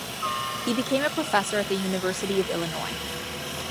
He became a professor at the University of Illinois.